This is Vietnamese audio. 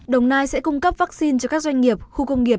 đồng nai sẽ cung cấp vaccine cho các doanh nghiệp khu công nghiệp